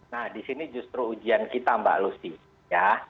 nah disini justru ujian kita mbak lucy